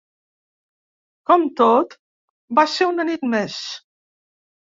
Com tot, va ser una nit més.